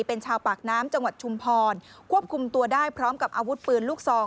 เป็นชาวปากน้ำจังหวัดชุมพรควบคุมตัวได้พร้อมกับอาวุธปืนลูกซอง